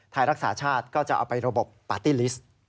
ไทยรักษาชาติก็จะเอาไประบบปาร์ตี้ลิสต์